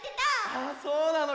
あそうなの？